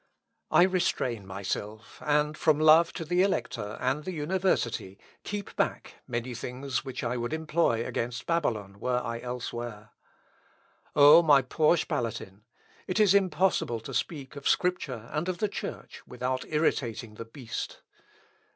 "I restrain myself, and from love to the Elector, and the university, keep back many things which I would employ against Babylon, were I elsewhere. O! my poor Spalatin! it is impossible to speak of Scripture and of the Church without irritating the beast.